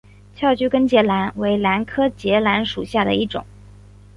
翘距根节兰为兰科节兰属下的一个种。